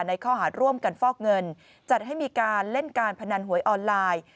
ในข้อหารร่วมกันฟอกเงินจัดให้มีการเล่นการพนันหวยออนไลน์